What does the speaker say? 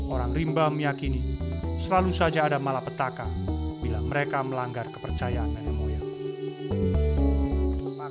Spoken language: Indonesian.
orang rimba meyakini selalu saja ada malapetaka bila mereka melanggar kepercayaan nenek moyang